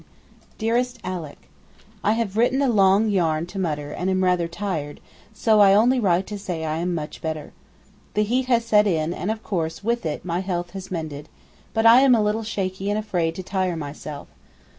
DEAREST ALICK, I have written a long yarn to Mutter and am rather tired, so I only write to say I am much better. The heat has set in, and, of course with it my health has mended, but I am a little shaky and afraid to tire myself.